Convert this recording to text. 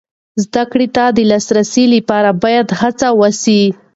زده کړې ته د لاسرسي لپاره باید هڅه وسي.